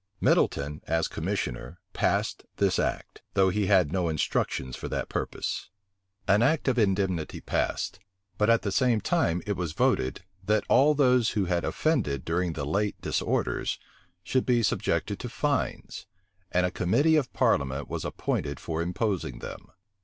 Middleton, as commissioner, passed this act; though he had no instructions for that purpose. An act of indemnity passed; but at the same time it was voted, that all those who had offended during the late disorders, should be subjected to fines; and a committee of parliament was appointed for imposing them.